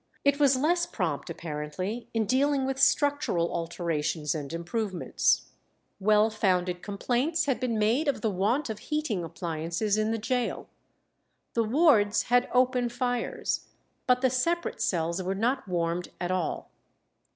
It was less prompt apparently in dealing with structural alterations and improvements. Well founded complaints had been made of the want of heating appliances in the gaol. The wards had open fires, but the separate cells were not warmed at all.